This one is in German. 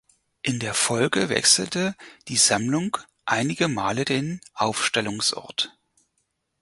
In der Folge wechselte die Sammlung einige Male den Aufstellungsort.